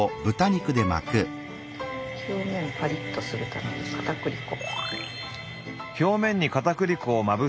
表面パリッとするためにかたくり粉。